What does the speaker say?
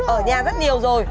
ở nhà rất nhiều rồi